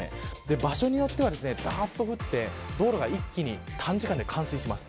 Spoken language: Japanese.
場所によっては、ざっと降って道路が短時間で冠水します。